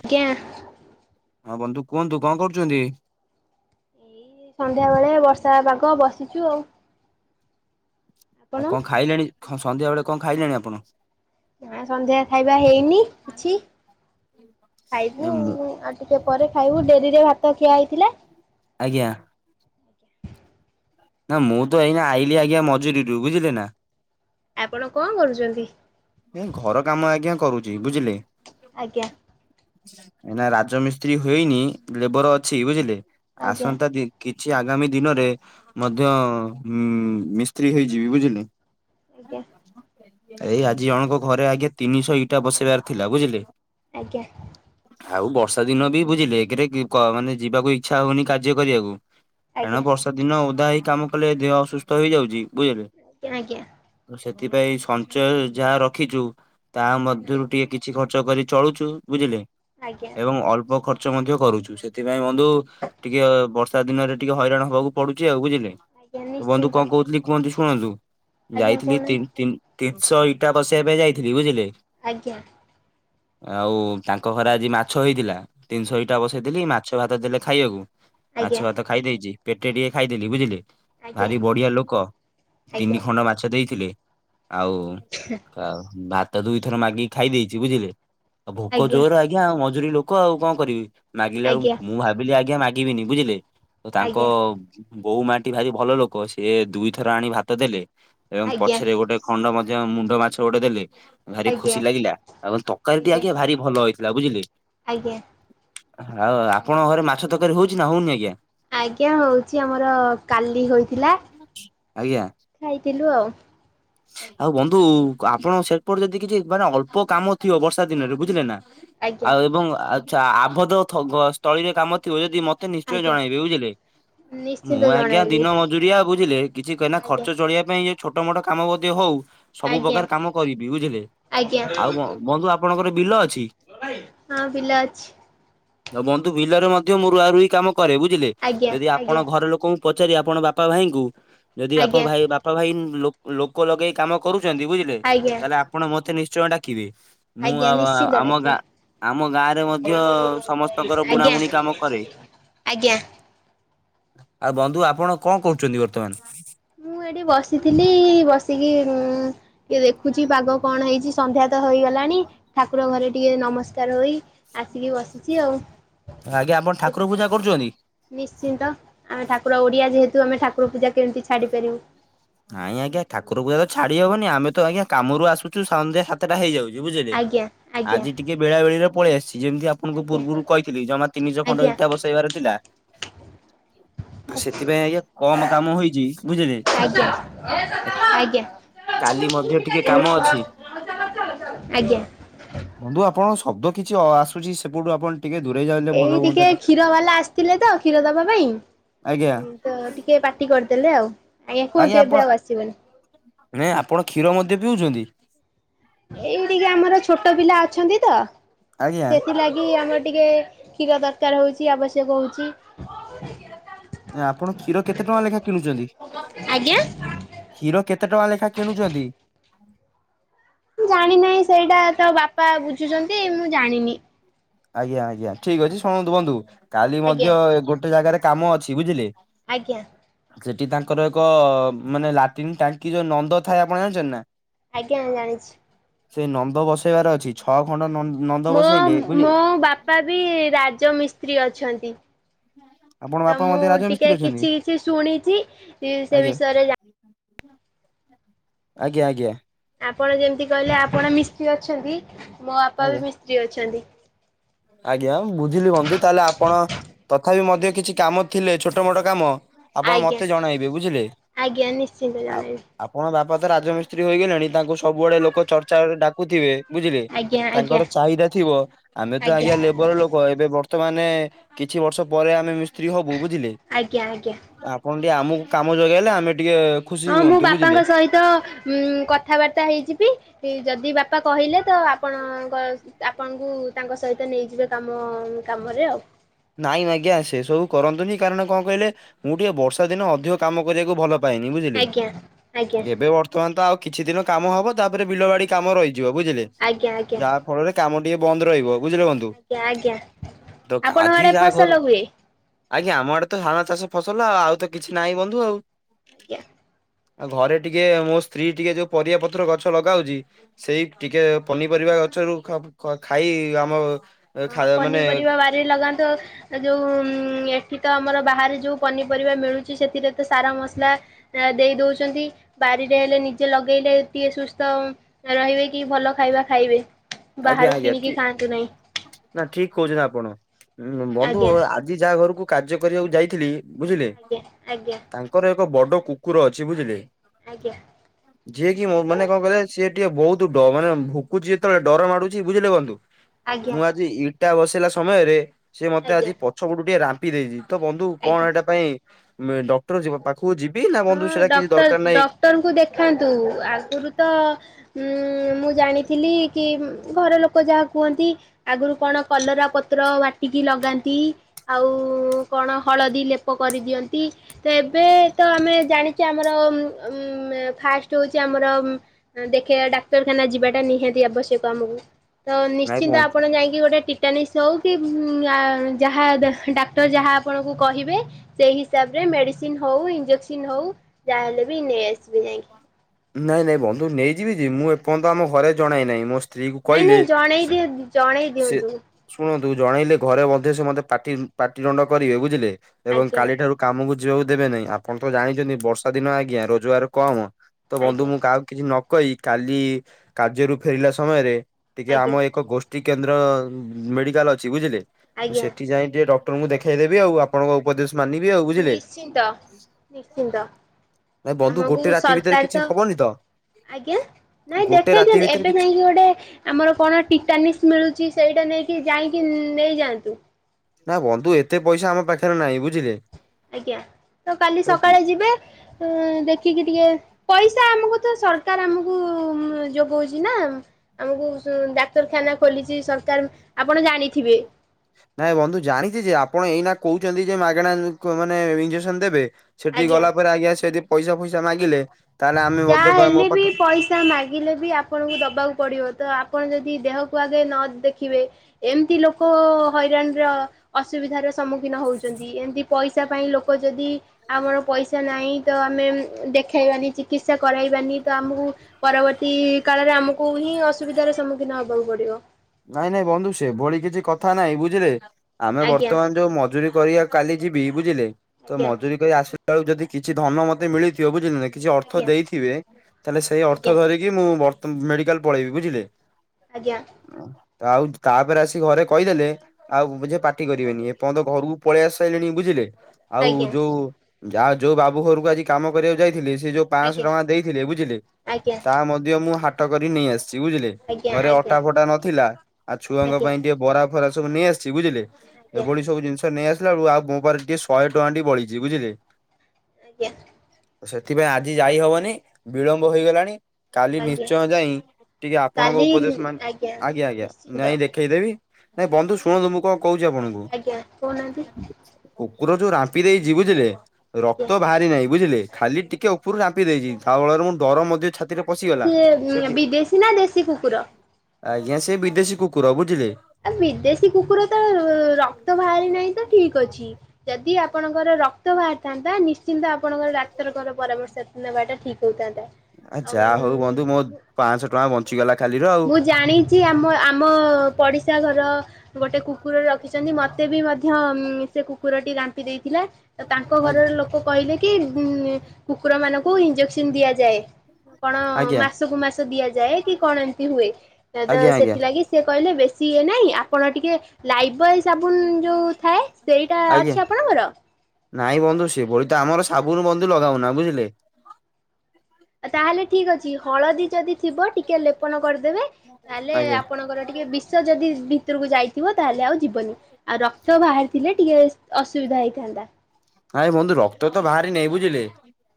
ଆଜ୍ଞା ହଁ ବନ୍ଧୁ କୁହନ୍ତୁ କଣ କରୁଚନ୍ତି? ଏଇ ସନ୍ଧ୍ୟାବେଳେ ବର୍ଷା ପାଗ, ବସିଚୁ ଆଉ। ଆଉ ଆପଣ? କଣ ଖାଇଲେଣି, ସନ୍ଧ୍ୟାବେଳେ କଣ ଖାଇଲେଣି ଆପଣ? ନା ସନ୍ଧ୍ୟା ଖାଇବା ହେଇନି କିଛି, ଖାଇବୁ ମୁଁ ଆ ଟିକେ ପରେ ଖାଇବୁ, ଡେରିରେ ଭାତ ଖିଆ ହେଇଥିଲା। ଆଜ୍ଞା। ନାଁ ମୁଁ ତ ଏଇନା ଆଇଲି ଆଜ୍ଞ ମଜୁରୀରୁୁ ବୁଝିଲେ ନା। ଆପଣ କଣ କରୁଚନ୍ତି? ଏଇ ଘର କାମ ଆଜ୍ଞା କରୁଚି, ବୁଝିଲେ। ଆଜ୍ଞା। ଏଇନା ରାଜମିସ୍ତ୍ରୀ ହେଇନି ଲେବର ଅଛି ବୁଝିଲେ, ଆଜ୍ଞା ଆସନ୍ତା ଦି କିଛି ଆଗାମୀ ଦିନରେ ମଧ୍ୟ ଉଁ ମିସ୍ତ୍ରୀ ହେଇଯିବି ବୁଝିଲେ। ଆଜ୍ଞା। ଏଇ ଆଜି ଜଣଙ୍କ ଘରେ ଆଜ୍ଞା ତିନିଶହ ଇଟା ବସେଇବାର ଥିଲା ବୁଝିଲେ। ଆଜ୍ଞା। ହଁ ଆଉ ବର୍ଷା ଦିନ ବି ବୁଝିଲେ, ଏକେରେ [unintelligible] ମାନେ ଯିବାକୁ ଇଚ୍ଛା ହଉନି କାର୍ଯ୍ୟ କରିବାକୁ। କାରଣ ଆଜ୍ଞା ବର୍ଷା ଦିନ ଓଦା ହେଇ କାମ କଲେ ଦେହ ଅସୁସ୍ଥ ହେଇଯାଉଛି, ବୁଝିଲେ! ଆଜ୍ଞା ଆଜ୍ଞା ସେଥିପାଇଁ ସଞ୍ଚୟ ଯାହା ରଖିଛୁ ତା ମଧ୍ୟରୁ ଟିକେ କିଛି ଖର୍ଚ୍ଚ କରି ଚଳୁଛୁ। ବୁଝିଲେ! ଆଜ୍ଞା ଏବଂ ଅଳ୍ପ ଖର୍ ର୍ଚ୍ଚ ମଧ୍ୟ କରୁଛୁ, ସେଥିପାଇଁ ବନ୍ଧୁ ଟିକେ ବର୍ଷା ଦିନରେ ଟିକେ ହଇରାଣ ହବାକୁ ପଡୁଛି ଆଉ। ବୁଝିଲେ! ଆଜ୍ଞା ବନ୍ଧୁ ନିଶ୍ଚିନ୍ତ କଣ କହୁଥିଲି, କୁହନ୍ତି ଶୁଣନ୍ତୁ। ଆଜ୍ଞା ଯାଇଥିଲି କହୁନାହାନ୍ତି ତିନ୍-ତିିନ୍ -ତିନିଶହ ଇ ଇଟା ବସେଇବା ପାଇଁ ଯାଇଥିଲି ବୁଝିଲେ! ଆଜ୍ଞା। ଆଉ, ତାଙ୍କ ଘରେ ଆଜି ମାଛ ହେଇଥିଲା। ତିନିଶହଟା ବସେଇଦେଲି ମା ମାଛ ଭାତ ଦେଲେ ଖାଇଆକୁ, ମାଛ ଆଜ୍ଞା ଭାତ ଖାଇ ଦେଇଛି। ପେଟେ ଟିଏ ଖାଇଦେଲି, ବୁଝିଲେ! ଆଜ୍ଞା ଭାରି ବଢିଆ ଲୋକ। ତିନି ଆଜ୍ଞା ଖଣ୍ଡ ମାଛ ଦେଇଥିଲେ। ଆଉ ଆଉ, ଭାତ ଦୁଇଥର ମାଗିକି ଖାଇ ଦେଇଛି। ବୁଝିଲେ! ଆଉ, ଭୋକ ଜୋର, ଆଇ ଆଜ୍ଞା, ମଜୁରୀ ଲୋକ ଆଉ କଣ କରିବି? ମାଗିଲା କୁ ଆଜ୍ଞା ମୁଁ ଭାବିଲି ଆଜ୍ଞା, ମାଗିବିନି ବୁଝିଲେ! ତ ଆଜ୍ଞା ତାଙ୍କ ଆଜ୍ଞା ବୋଉ ମାଟି ଭାରି ଭଲ ଲୋକ। ସିଏ ଦୁଇଥର ଆଣି ଭାତ ଦେଲେ। ଏବଂ ଆଜ୍ଞା ପଛରେ ଗୋଟେ ଖଣ୍ଡ ମଧ୍ୟ ମୁଣ୍ଡ ମାଛ ଗୋଟେ ଦେଲେ। ଭାରି ଖୁସି ଆଜ୍ଞା ଲାଗିଲା। ଆଉ କ ତକାରୀ ଟି ଆଜ୍ଞା ଭାରି ଭଲ ହେଇଥିଲା, ବୁଝିଲେ! ଆଜ୍ଞା। ଆଉ ଆପଣଙ୍କ ଘରେ ମାଛ ତକାରୀ ହଉଛି ନା ହଉନି ଆଜ୍ଞା? ଆଜ୍ଞା, ହଉଛି। ଆମର କାଲି ହୋଇଥିଲା, ଆଜ୍ଞା। ଖାଇଥିଲୁ ଆଉ। ଆଉ ବନ୍ଧୁ ଆପଣ ସେପଟେ ଯଦି କିଛି ମାନେ ଅଳ୍ପ କାମ ଥିବ, ବର୍ଷା ଦିନରେ ବୁଝିଲେ ନା ଆଜ୍ଞା। ଆଉ ଏବଂ ଆଚ୍ଛା ଆବଦ୍ଧ ଥ ଗ ସ୍ଥଳୀରେ କାମ ଥିବ ଯଦି ମତ୍ ମତେ ନିଶ୍ଚୟ ଆଜ୍ଞା ଜଣେଇବେ, ବୁଝିଲେ? ମୁଁ ନିଶ୍ଚିନ୍ତ ଆଜ୍ଞା ଜଣାଇବି ଦିନ ମଜୁରିଆ ଆଉ, ବୁଝିଲେ! କିଛି କହିନା ଆଜ୍ଞା ଖର୍ଚ୍ଚ ଚଳିବା ପାଇଁ ଇଏ ଛୋଟ ମୋଟ କାମ ମଧ୍ୟ ହଉ ସବୁ ଆଜ୍ଞା ପ୍ରକାର କାମ କରିବି, ବୁଝିଲେ! ଆଜ୍ଞା। ଆଉ ବ-ବନ୍ଧୁ ଆପଣଙ୍କର ବିଲ ଅଛି? ହଁ, ବିଲ ଅଛି। ବନ୍ଧୁ, ବିଲରେ ମଧ୍ୟ ମୁଁ ରୁଆ ରୁହି କାମ କରେ, ବୁଝିଲେ! ଆଜ୍ଞା ଯଦି ଆଜ୍ଞା ଆପଣ ଘର ଲୋକଙ୍କୁ ପଚାରିଏ ଆପଣ ବାପା ଭାଇଙ୍କୁ, ଯଦି ଆପଣ ଆଜ୍ଞା ଭାଇ ବାପା ଭାଇ ଲୋକ୍ ଲୋକ ଲଗେଇ କାମ କରୁଛନ୍ତି, ବୁଝିଲେ? ଆଜ୍ଞା ତା, ହେଲେ ଆପଣ ମତେ ନିଶ୍ଚୟ ଡାକିବେ। ମୁଁ, ଆଜ୍ଞା ଆଉ ନିଶ୍ଚିନ୍ତ ଆ-ଆମ ଡାକିବି। ଗାଁ ଆମ ଗାଁ ରେ ମଧ୍ୟ ସମସ୍ତଙ୍କର ବୁଣା ଆଜ୍ଞା। ବୁଣି କାମ କରେ। ଆଜ୍ଞା ଆଉ, ବନ୍ଧୁ ଆପଣ କଣ କହୁଛନ୍ତି, ବର୍ତ୍ତମାନ? ମୁଁ, ଏଠି ବସିଥିଲି-ଇ ବସିକି ଉମ୍ ଇଏ ଦେଖୁଛି ପାଗ କଣ ହେଇଛି? ସନ୍ଧ୍ୟା ତ ହୋଇଗଲାଣି, ଠାକୁର ଘରେ ଟିକିଏ ନମସ୍କାର ହୋଇ ଆସିକି ବସିଛି ଆଉ। ଆଜ୍ଞା, ଆପଣ ଠାକୁର ପୂଜା କରୁଛନ୍ତି। ନିଶ୍ଚିନ୍ତ, ଆମେ ଠାକୁର ଓଡିଆ ଯେହେତୁ, ଆମେ ଠାକୁର ପୂଜା କେମିତି ଛାଡି ପାରିବୁ? ନାଇଁ ଆଜ୍ଞା, ଠାକୁରପୁଜା ତ ଛାଡି ହବନି। ଆମେ ତ ଆଜ୍ଞା, କାମରୁ ଆସୁଛୁ ସଂଧ୍ୟା ସାତ୍ ତଟା ହେଇଯାଉଛି, ବୁଝିଲେ! ଆଜ୍ଞା ଆଜ୍ଞା ଆଜି ଟିକେ ବେଳାବେଳି ରେ ପଳେଇ ଆସିଛି। ଯେମିତି ଆପ୍ ଆପଣଙ୍କୁ ଆଜ୍ଞା ପୂର୍ବରୁ କହିଥିଲି, ଜମା ତିନିଶହ ଖଣ୍ଡ ଆଜ୍ଞା ଇଠା ବସେଇବାର ଥିଲା। ସେଥିପାଇଁ ଆଜ୍ଞା, କମ୍ କାମ ହେଇଛି, ବୁଝିଲେ! ଆଜ୍ଞା ଆଜ୍ଞା, କାଲି ମଧ୍ୟ ଟିକେ କାମ ଅଛି। [inaudible] ଆଜ୍ଞା। ବନ୍ଧୁ ଆପଣଙ୍କ ଶବ୍ଦ କିଛି ଅ-ଆସୁଛି, ସେପଟୁ ଆପଣ ଟିକ ଦୂରେ ଯାଉ ଏଇ ଟିକେ କ୍ଷୀର ବାଲା ଆସିଥିଲେ ତ, କ୍ଷୀର ଦବା ପାଇଁ, ଆଜ୍ଞା ହୁଁ। ତ ଟିକେ ପାର୍ଟି କରିଦେଲେ ଆଉ, ଆଜ୍ଞା କୁହନ୍ତୁ ଏବେ ଆଉ ଆସିବନି। ନାଇଁ, ଆପଣ କ୍ଷୀର ମଧ୍ୟ ପିଉଚନ୍ତି? ଏଇ ଟିକେ ଆମର ଛୋଟ ପିଲା ଅଛନ୍ତି ତ, ଆଜ୍ଞା। ସେଥିଲାଗି ଆମର ଟିକେ କ୍ଷୀର ଦରକାର ହଉଚି, ଆବଶ୍ୟକ ହୋଉଚି। ଆପଣ କ୍ଷୀର କେତେ ଟଙ୍କା ଲେଖାଁ କିଣୁଚନ୍ତି? ଆଜ୍ଞା ଖିର କେତେ ଟଙ୍କା ଲେଖାଁ କିଣୁଚନ୍ତି। ମୁଁ ଜାଣିିନାହିଁ ସେଇଟା, ତ ବାପା ବୁଝୁଚନ୍ତି ମୁଁ ଜାଣିନି। ଆଜ୍ଞା ଆଜ୍ଞା, ଠିକ ଅଛି ଶୁଣନ୍ତୁ ବନ୍ଧୁ, କାଲି ଆଜ୍ଞା ମଧ୍ୟ ଗୋଟେ ଜାଗାରେ କାମ ଅଛି, ବୁଝିଲେ? ଆଜ୍ଞା। ସେଠି ତାଙ୍କର ଏକ, ମାନେ ଲାଟି୍ନ୍ ଟାଙ୍କି ଯୋଉ ନନ୍ଦ ଥାଏ, ଆପଣ ଜାଣିଚନ୍ତି ନା? ଆଜ୍ଞା ଜାଣିଚି। ସେ ନନ୍ଦ ବସେଇବାର ଅଛି, ଛଅ ଖଣ୍ଡ ନନ୍ଦ ମୋ ବସେଇଲେ, ବୁଝିଲେ ମୋ ବାପା ବି ରାଜମିସ୍ତ୍ରୀ ଅଛନ୍ତି। ଆପଣ ତ, ବାପା ମୁଁ ମଧ୍ୟ ଟିକେ ରାଜମିସ୍ତ୍ରୀ ଅଛନ୍ତି କିଛି କିଛି ଶୁଣିଚି, ସେ ଆଜ୍ଞା। ବିଷୟରେ ଯା ଆଜ୍ଞା ଆଜ୍ଞା। ଆପଣ ଯେମିତି କହିଲେ ଆପଣ ମିସ୍ତ୍ରୀ ଅଛନ୍ତି, ମୋ ବାପା ଆଜ୍ଞା ବି ମିସ୍ତ୍ରୀ ଅଛନ୍ତି। ଆଜ୍ଞା, ବୁଝିଲି ବନ୍ଧୁ, ତାହେଲେ ଆପଣ ତଥାପି ମଧ୍ୟ କିଛି କାମ ଥିଲେ, ଛୋଟ ମୋଟ କାମ ଆପଣ ଆଜ୍ଞା ମତେ ଜଣେଇବେ, ବୁଝିଲେ? ଆଜ୍ଞା ନିଶ୍ଚିନ୍ତ ଆଉ ଜଣେଇବି ଆପଣଙ୍କ ବାପା ତ ରାଜମିସ୍ତ୍ରୀ ହେଇଗଲେଣି, ତାଙ୍କୁ ସବୁବେଳେ ଲୋକ ଚର୍ଚ୍ଚାରେ ଡାକୁଥିବେ। ବୁଝିଲେ, ଆଜ୍ଞା ତାଙ୍କର ଆଜ୍ଞା ଚାହିଦା ଥିବ, ଆମେ ତ ଆଜ୍ଞା ଲୋ ଲେବର ଲୋକ, ଏବେ ବର୍ତ୍ତମାନ, କିଛି ବର୍ଷ ପରେ ଆମେ ମିସ୍ତ୍ରୀ ହବୁ, ବୁଝିଲେ। ଆଜ୍ଞା ଆଜ୍ଞା। ଆପଣ ଟିକେ ଆମକୁ କାମ ଯୋଗେଇଲେ, ଆମେ ଟିକେ ଖୁସି ହଁ, ମୁଁ ହୁଅନ୍ତୁ ବୁଝିଲେ। ବାପାଙ୍କ ସହିତ ଉ କଥାବାର୍ତ୍ତା ହେଇଯିବି। ଯଦି ବାପା କହିଲେ ତ, ଆପଣଙ୍କ ଆପଣଙ୍କୁ, ତାଙ୍କ ସହିତ ନେଇଯିବେ କାମ କାମରେ ଆଉ। ନାଇଁ ଆଜ୍ଞା, ସେସବୁ କରନ୍ତୁନି କାରଣ କଣ କହିଲେ, ମୁଁ ଟିକେ ବର୍ଷା ଦିନ ଅଧିକ କାମ କରିବାକୁ ଭଲ ପାଏନି, ବୁଝିଲେ? ଆଜ୍ଞା ଆଜ୍ଞା। ଏବେ ବର ର୍ତ୍ତମାନ ଆଉ କିଛି ଦିନ କାମ ହବ, ତାପରେ ବିଲ ବାଡି କାମ ରହିଯିବ ବୁଝିଲେ? ଆଜ୍ଞା ଆଜ୍ଞା। ଯାହା ଫଳରେ କାମ ଟିକେ ବନ୍ଦ ରହିବ, ବୁଝିିଲେ ବନ୍ଧୁ। ଆଜ୍ଞା ଆଜ୍ଞା ଆପଣଙ୍କ ଆଡେ ତା ଘରୁ, ଫସଲ ହୁଏ? ଆଜ୍ଞା, ଆମ ଆଡେ ତ ଧାନ ଚାଷ ଫସଲ, ଆଉ ତ କିଛି ନାହିଁ ବନ୍ଧୁ ଆଉ। ଆଜ୍ଞା ଆଉ ଘରେ ଟିକେ ମୋ ସ୍ତ୍ରୀ ଟିକେ ଯୋଉ ପରିବା ପତ୍ର ଗଛ ଲଗାଉଚି ସେଇ ଟିକେ ପନିପରିବା ଗଛରୁ ଖପ-ଖ-ଖାଇ ଆମ ହଁ ଖା ମାନେ ପନିପରିବା ଲଗାନ୍ତୁ, ଯୋଉ ଏଠି ତ ଆମର ବାହାରେ ଯୋଉ ପନିପରିବା ମିଳୁଚି, ସେଥିରେ ତ ସାର ମସଲା ଦେଇ ଦଉଚନ୍ତି, ବାରିରେ ହେଲେ ନିଜେ ଲଗେଇଲେ ଟିକେ ସୁସ୍ଥ ମ ରହିବେ କି, ଭଲ ଖାଇବା ଖାଇବେ। ଆଜ୍ଞା ବାହାରୁ ଆଜ୍ଞା କିଣିକି ଠି, ଖାଆନ୍ତୁ ନାହିଁ ନା ଠିକ୍ କହୁଚନ୍ତି ଆପଣ। ବନ୍ଧୁ ଆଜ୍ଞା ଆ ଆଜି ଯାହା ଘରକୁ କାର୍ଯ୍ୟ କରିଆକୁ ଯାଇଥିଲି, ବୁଝିଲେ? ଆଜ୍ଞା ଆଜ୍ଞା ତାଙ୍କ ତାଙ୍କର ଏକ ବଡ କୁକୁର ଅଛି, ବୁଝିଲେ? ଆଜ୍ଞା। ଯିଏ କିି, ମାନେ କଣ କହିଲେ, ସିଏ ଟିକେ ବହୁତ ଡ ମାନେ ଭୁକୁଛି ଯେତେବେଳେ ଡର ମାଡୁଚି ବୁଝିଲେ ବନ୍ଧୁ, ଆଜ୍ଞା ମୁଁ ଆଜି ଇଟା ବସେଇଲା ସମୟରେ, ସେ ମତେ ଆଜ୍ଞା ଆଜି ପ ପଛପଟୁ ଟିକେ ରାମ୍ପି ଦେଇଚି, ତ ବନ୍ଧୁ, କଣ ଆଜ୍ଞା ଏଟା ପାଇଁ ମେ ଡକ୍ଟର ଯିବ ପା କୁ ଯିବି ନା ବନ୍ଧୁ ହଁ ସେଟା କି ଡକ୍ଟର ଦରକାର ନାଇଁ। ଡକ୍ଟରଙ୍କୁ ଦେଖାନ୍ତୁ, ଆଗୁରୁ ତ ଉଁ ମୁଁ ଜାଣିଥିଲି କି ଘର ଲୋକ ଯାହା କୁହନ୍ତି ଆଗୁରୁ କଣ କଲରା ପତ୍ର ବାଟିକି ଲଗାନ୍ତି। ଆଉ କଣ ହଳଦୀ ଲେପ କରିଦିଅନ୍ତି, ତ ଏବେ ତ ଆମେ ଜାଣିଚେ ଆମର ମ ମ ଫାଷ୍ଟ ହଉଚି ଆମର ଦେଖେଆ, ଡାକ୍ତରଖାନା ଯିବାଟା ନିହାତି ଆବଶ୍ୟକ ଆମକୁ। ତ ନାଇଁ ନିଶ୍ଚିନ୍ତ ବନ୍ଧୁ ଆପଣ ଯାଇକି ଗୋଟେ ଟୀ ଟୀଟାନିସ୍ ହୋଉ କି ଉ ଆ ଯାହା ଡାକ୍ଟର ଯାହା ଆପଣଙ୍କୁ କହିବେ ସେଇ ହିସାବରେ ମେଡିସିନ ହଉ ଇଂଜେକ୍ସିନ ହଉ ଯାହାହେଲେ ବି ନେଇ ଆସିବେ ଯାଇଁ। ନାଇଁ ନାଇଁ ବନ୍ଧୁ ନେଇଯିବି ଯେ, ମୁଁ ଏପର୍ଯ୍ୟନ୍ତ ଆମ ଘରେ ଜଣାଇ ନାହିଁ ମୋ ସ ନାଇଁ ନାଇଁ ଜଣେଇ ଦିଅତୁ ଜଣେଇ ସେ ଦିଅନ୍ତୁ। ଶୁଣନ୍ତୁ ଜଣେଇଲେ ଘରେ ମଧ୍ୟ ସେ ମତେ ପାଟି ପାଟି ତୁଣ୍ଡ କରିବେ ବୁଝିଲେ ଏବଂ ଆଜ୍ଞା। କାଲିଠାରୁ କାମକୁ ଯିବାକୁ ଦେବେ ନାହିଁ ଆପଣ ତ ଜାଣିଚନ୍ତି ବର୍ଷା ଦିନ ଆଜ୍ଞା ରୋଜଗାର କମ୍ ତ ବନ୍ଧୁ ଆଜ୍ଞା ମୁଁ କାଆକୁ କିଛି ନ କଇ କାଲି କାର୍ଯ୍ୟରୁ ଫେରିଲା ସମୟରେ ଟିକେ ଆମ ଆଜ୍ଞା ଏକ ଗୋଷ୍ ଟି କେନ୍ଦ୍ର ମେଡିକାଲ ଅଛି ବୁଝିଲେ, ଆଜ୍ଞା ସେଠି ଯାଇ ଟିକେ ଡକ୍ଟରଙ୍କୁ ଦେଖେଇ ଦେବି ଆଉ, ଆପଣଙ୍କ ଉପଦେଶ ମାନିବି ଆଉ, ବୁଝିଲେ। ନିଶ୍ଚିନ୍ତ ନିଶ୍ଚିନ୍ତ ନା ବନ୍ଧୁ ଆମକୁ ଗୋଟେ ରାତି ଭିତରେ ସରକାର କିଛି ହବନି ତ? ଆଜ୍ଞା, ନାଇଁ ଗୋଟେ ଦେଖେଇ ରାତି ଦିଅନ୍ତୁ ଭିତରେ ଏବେ କିଛି ଯାଇଁକି ଗୋଟେ ଆମର କଣ ଟିଟାନିସ୍ ମିଳୁଚି ସେଇଟା ନେଇକି ଯାଇକି ନେଇଯାଆନ୍ତୁ। ନା ବନ୍ଧୁ ଏତେ ପଇସା ଆମ ପାଖରେ ନାହିଁ ବୁଝିଲେ। ଆଜ୍ଞା, ତ କାଲି ସକାଳେ ଯିବେ ଅ ଦେଖିକି ଟିକେ ପଇସା ଆମକୁ ତ ସରକାର ଆମକୁ ଯୋଗଉଚି ନା। ଆମକୁ ସୁ ଡାକ୍ତରଖାନା ଖୋଲିଚି ସରକାର। ଆପଣ ଜାଣିଥିବେ [unintelligible] ନାଇଁ ବନ୍ଧୁ ଜାଣିଚି ଯେ, ଆପଣ ଏଇନା କହୁଚନ୍ତି ଯେ ମାଗଣା କ ମାନେ ଇଞ୍ଜେକସନ ଦେବେ। ସେଠିକି ଆଜ୍ଞା। ଗଲା ପରେ ଆଜ୍ଞା ସେ ଯଦି ପଇସା ଫଇସା ମାଗିଲେ ତାଲେ ଆମେ ମଧ୍ୟ ମୋ ପାଖେ ସା ମାଗିଲେ ବି ଆପଣଙ୍କୁ ଦବାକୁ ପଡ଼ିବ ତ ଆପଣ ଯଦି ଦେହକୁ ଆଗେ ନ ଦେଖିବେ ଏମତି ଲୋକ ହଇରାଣରେ ଅସୁବିଧାର ସମ୍ମୁଖୀନ ହଉଚନ୍ତି, ଏମତି ପଇସା ପାଇଁ ଲୋକ ଯଦି ଆମର ପଇସା ନାଇଁ ତ ଆମେ ଉ ଦେଖେଇବାନି ଚି ଚିକିତ୍ସା କରାଇବାନି ତ ଆମକୁ ପରବର୍ତ୍ତୀ କାଳରେ ଆମକୁ ହିଁ ଅସୁବିଧାର ସମ୍ମୁଖୀନ ହବାକୁ ପଡିବ। ନାଇଁ ନାଇଁ ବନ୍ଧୁ ସେଭଳି କିଛି କଥା ନାଇଁ ବୁଝିଲେ, ଆମେ ଆଜ୍ଞା ବର୍ତ୍ତମାନ ଯୋଉ ମଜୁରୀ କରିଆକୁ କାଲି ଯିବି ବୁଝିଲେ, ତ ଆଜ୍ଞା ମଜୁରୀ କରି ଆସିଲା ବେଳକୁ ଯଦି କିଛି ଧନ ମତେ ମିଳି ଯିବ ବୁଝିଲେ ନା କିଛି ଅର୍ଥ ଆଜ୍ଞା ଦେଇଥିବେ ତାହେଲେ ସେଇ ଆଜ୍ଞା ଅର୍ଥ ଧରି କି ମୁଁ ବରତ ମେଡିକାଲ ପଳେଇବି ବୁଝିଲେ। ଆଜ୍ଞା। ହଁ ତାଉତ୍ ତାପରେ ଆସିିକି ଘରେ କହିଦେଲେ ଆଉ ବୁଝେ ପାଟି କରିବେନି ଏପନ୍ତ ଘରକୁ ପଳେଇ ଆସି ସାଇଲେଣି ବୁଝିଲେ। ଆଉ ଆଜ୍ଞା ଯୋଉ ଯା ଯୋଉ ବାବୁ ଘରକୁ ଆଜି କାମ କରିବାକୁ ଯାଇଥିଲି ସେ ଯୋଉ ପାଆଁଶ ଆଜ୍ଞା ଟଙ୍କା ଦେଇଥିଲେ ବୁଝିଲେ ଆଜ୍ଞା ତା ଆଜ୍ଞା ମଧ୍ୟ ମୁଁ ହାଟ କରି ନେଇ ଆସିଛି ବୁଝିଲେ। ଆଜ୍ଞା ଆଜ୍ଞା। ତା ନଥିଲା ଆଉ ଛୁଆଙ୍କ ଆଜ୍ଞା ପାଇଁ ଟିକେ ବରା ଫରା ସବୁ ନେଇଆସିଛି ବୁଝିଲେ ଏଭଳି ସବୁ ଜିନିଷ୍ ଷ ନେଇ ଆସିଲା ବେଳୁ ଆଉ ମୋ ପାରେ ଟିକେ ଶହେ ଟଙ୍କା ଟେ ବଳିଛି ବୁଝିଲେ। ଆଜ୍ଞା। ସେଥିପାଇଁ ଆଜି ଯାଇ ହବନି ବିଳମ୍ବ ହୋଇଗଲାଣି। କାଲି ଆଜ୍ଞା ନିଶ୍ଚୟ ଯାଇଁ ଟିକେ ଆପଣଙ୍କ କାଲି ଉପଦେଶ ମାନ୍ ଆଜ୍ଞା ଆଜ୍ଞା ନାଇଁ ଦେଖେଇଦେବି। ନାଇଁ ବନ୍ଧୁ ଶୁଣନ୍ତୁ ମୁଁ କଣ କହୁଛି ଆପଣଙ୍କୁ। ଆଜ୍ଞା କହୁନାହାନ୍ତି କୁକୁର ଯୋଉ ରାମ୍ପି ଦେଇଚି ବୁଝିଲେ ଆଜ୍ଞା ରକ୍ତ ବାହାରି ନାହିଁ ବୁଝିଲେ ଖାଲି ଟିକେ ଉପରୁ ରାମ୍ପି ଦେଇଚି ତା ଫଳରେ ମୁଁ ଡର ମଧ୍ୟ ଛାତିରେ ପଶିଗଲା ସେ ସିଏ ଟି- ବିଦେଶୀ ନା ଦେଶୀ କୁକୁର? ଆଜ୍ଞା ସେ ବିଦେଶୀ କୁକୁର ବୁଝିଲେ ଆ ବିଦେଶୀ କୁକୁର ତ ରକ୍ତ ବାହାରି ନାହିଁ ତ ଠିକ୍ ଅଛି। ଯଦି ଆପଣଙ୍କର ରକ୍ତ ବାହାରିଥାନ୍ତା ନିଶ୍ଚିନ୍ତ ଆପଣଙ୍କର ଡାକ୍ତରଙ୍କର ପରାମର୍ଶ ନବାଟା ଠିକ୍ ହୋଉଥାନ୍ତା। ଆ ଯା ହଉ ବନ୍ଧୁ ମୋ ପାଞ୍ଚଶହ ଟଙ୍କା ବଞ୍ଚିଗଲା ଖାଲିର ମୁଁ ଜାଣିଚି ଆମ ଆମ ପଡ଼ିଶା ଘର ଗୋଟେ କୁକୁର ରଖିଚନ୍ତି ମତେ ବି ମଧ୍ୟ ଉଁ ସେ କୁକୁରଟି ରାମ୍ପି ଦେଇଥିଲା ତାଙ୍କ ଆଜ୍ଞା ଘରର ଲୋକ କହିଲେ କି ଉଁ କୁକୁରମାନଙ୍କୁ ଇଞ୍ଜେକ୍ସନ ଦିଆଯାଏ। ସେ କଣ ଆଜ୍ଞା ମାସକୁ ମାସ ଦିଆଯାଏ କି କଣ ଏମିତି ହୁଏ ଦେଦ ଆଜ୍ଞା ଆଜ୍ଞା ସେଥିଲାଗି କି ସେ କହିଲେ ବେଶୀ ଇଏ ନାହିଁ ଆପଣ ଟିକେ ଲାଇବଏ ସାବୁନ ଯୋଉ ଥାଏ ସେଇଟା ଅଛି ଆଜ୍ଞା ଆପଣଙ୍କର? ନାଇଁ ବନ୍ଧୁ ସେଭଳି ତ ଆମର ସାବୁନ ବନ୍ଧୁ ଲଗାହୁଏନା ବୁଝିଲେ ତା ହେଲେ ଠିକ୍ ଅଛି ହଳଦୀ ଯଦି ଥିବ ଟିକେ ଲେପନ କରିଦେବେ ତାହେଲେ ଆଜ୍ଞା। ଆପଣଙ୍କର ଟିକେ ବିସ୍ ଛ ଯଦି ଭିତରକୁ ଯାଇଥିବ ତାହେଲେ ଆଉ ଯିବନି ଆଉ ରକ୍ତ ବାହାରିଥିଲେ ଟିକେ ଅସୁବିଧା ହେଇଥାନ୍ତା। ନାଇଁ ବନ୍ଧୁ ରକ୍ତ ତ ବାହାରି ନେଇଁ ବୁଝିଲେ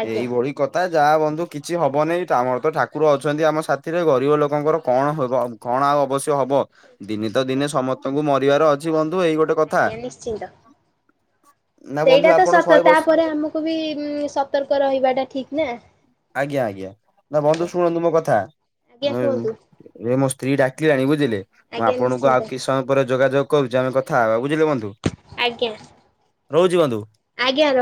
ଆଜ୍ଞା ଏଇଭଳି କଥା ଯାହା ବନ୍ଧୁ କିଛି ହବନେଇଁ ତ ଆମର ତ ଠାକୁର ଅଛନ୍ତି ଆମ ସାଥିରେ ଗରିବ ଲୋକଙ୍କର କଣ ହେବ। କଣ ଆଉ ଅବଶ୍ୟ ହବ ଦିନେ ତ ଆଜ୍ଞା। ଦିନେ ସମସ୍ତଙ୍କୁ ମରିବାର ଅଛି ବନ୍ଧୁ ଏଇ ଗୋଟେ କଥା ଆଜ୍ଞା ନିଶ୍ଚିନ୍ତ ନା ବନ୍ଧୁ ସେଇଟା ତ ଆପଣ ସତ ଶହେ ବର୍ଷ ତାପରେ ଆମକୁ ବି ମଁ ସତର୍କ ରହିବାଟା ଠିକ୍ ନା। ଆଜ୍ଞା ଆଜ୍ଞା ନା ବନ୍ଧୁ ଆଜ୍ଞା ଶୁଣନ୍ତୁ ମୋ କଥା। ଆଜ୍ଞା ଏମ କୁହନ୍ତୁ ଏ ମୋ ସ୍ତ୍ରୀ ଡାକିଲାଣି ବୁଝିଲେ ମୁଁ ଆଜ୍ଞା ଆପଣଙ୍କୁ ନିଶ୍ଚିନ୍ତ ଆଉ କିସ୍ ସମ ପରେ ଯୋଗାଯୋଗ କରୁ ଆମେ କଥା ବୁଝିଲେ ବନ୍ଧୁ। ଆଜ୍ଞା। ରହୁଚି ବନ୍ଧୁ। ଆଜ୍ଞା ର